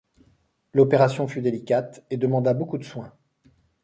L’opération fut délicate et demanda beaucoup de soins.